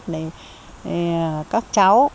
để các cháu